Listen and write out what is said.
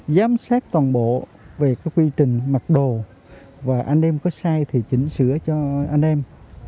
giám sát toàn bộ về quy trình mặc đồ và anh em có sai thì chỉnh sửa cho anh em